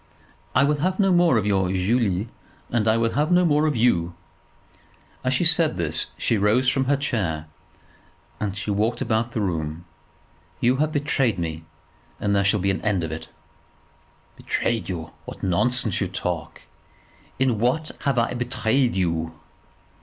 "I will have no more of your Julie; and I will have no more of you." As she said this she rose from her chair, and walked about the room. "You have betrayed me, and there shall be an end of it." [Illustration: How Damon parted from Pythias.] "Betrayed you! what nonsense you talk. In what have I betrayed you?"